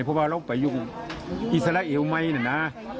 เพราะว่าเราไปอยู่อิสราเอลไหมนะ